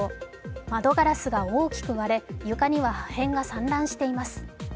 窓ガラスが大きく割れ、床には破片が散乱しています。